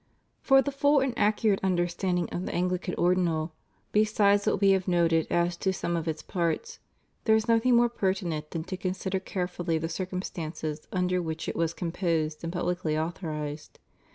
For the full and accurate understanding of the Anglican Ordinal, besides what we have noted as to some of its parts, there is nothing more pertinent than to consider carefully the circumstances under which it was com posed and publicly authorized.